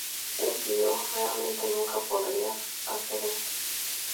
Un Beatle realmente nunca podría hacer eso".